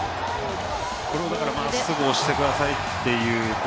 これも、すぐまっすぐ押してくださいという。